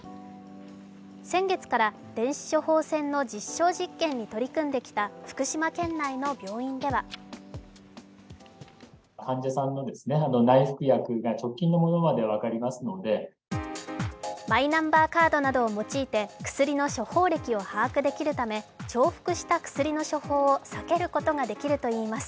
先月から電子処方箋の実証実験に取り組んできた福島県内の病院ではマイナンバーカードなどを用いて薬の処方歴などを把握できるため、重複した薬の処方を避けることができるといいます。